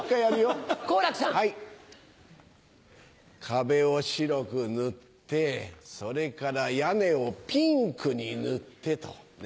壁を白く塗ってそれから屋根をピンクに塗ってと。